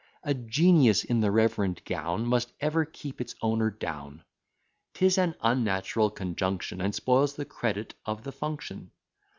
A genius in the reverend gown Must ever keep its owner down; 'Tis an unnatural conjunction, And spoils the credit of the function.